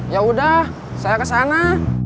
yaudah saya kesana